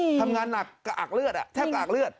นี่ทำงานหนักกระแอบเลือดอ่ะแทบกระอากเลือด